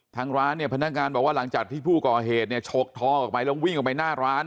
ทางร้านเนี่ยพนักงานบอกว่าหลังจากที่ผู้ก่อเหตุเนี่ยฉกทองออกไปแล้ววิ่งออกไปหน้าร้าน